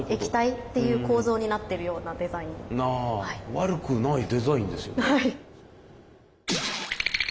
悪くないデザインですよね。